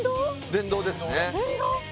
電動ですね電動？